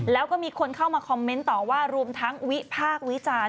แล้วก็มีคนเข้ามาคอมเมนต์ต่อว่ารวมทั้งวิพากษ์วิจารณ์